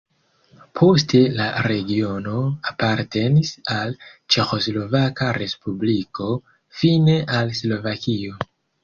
Poste la regiono apartenis al Ĉeĥoslovaka respubliko, fine al Slovakio.